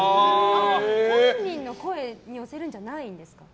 本人の声に寄せるんじゃないんですか。